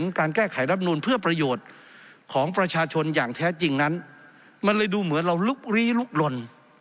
การแก้ไขรับนูลเพื่อประโยชน์ของประชาชนอย่างแท้จริงนั้นมันเลยดูเหมือนเราลุกลี้ลุกลน